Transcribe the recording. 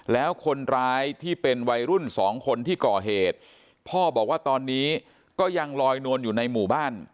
แล้วคนร้ายที่เป็นวัยรุ่นสองคนที่ก่อเหตุพ่อบอกว่าตอนนี้ก็ยังลอยนวลอยู่ในหมู่บ้าน